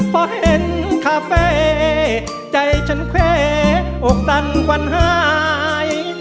พอเห็นคาเฟ่ใจฉันแควรวอกตันวันหาย